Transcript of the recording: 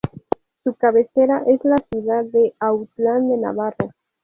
Su cabecera es la ciudad de Autlán de Navarro.